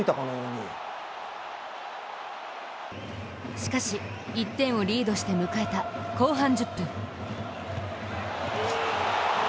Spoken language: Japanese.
しかし、１点をリードして迎えた後半１０分。